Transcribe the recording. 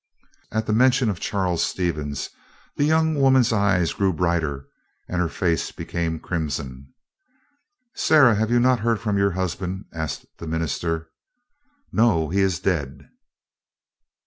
At the mention of Charles Stevens, the young woman's eyes grew brighter, and her face became crimson. "Sarah, have you not heard from your husband?" asked the minister. "No; he is dead."